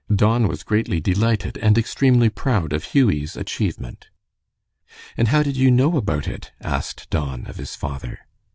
Don was greatly delighted, and extremely proud of Hughie's achievement. "And how did you know about it?" asked Don of his father.